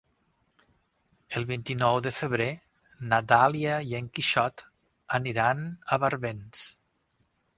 El vint-i-nou de febrer na Dàlia i en Quixot aniran a Barbens.